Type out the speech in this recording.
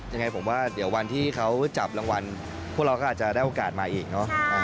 ยังไงผมว่าเดี๋ยววันที่เขาจับรางวัลพวกเราก็อาจจะได้โอกาสมาอีกเนอะ